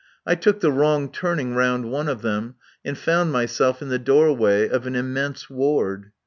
I took the wrong turning round one of them and found myself in the doorway of an immense ward.